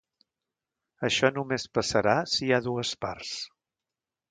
Això només passarà si hi ha dues parts.